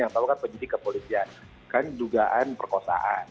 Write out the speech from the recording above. yang tahu kan penyidikan polisi kan dugaan perkosaan